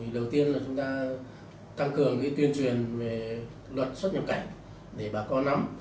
đầu tiên là chúng ta tăng cường tuyên truyền về luật xuất nhập cảnh để bà con nắm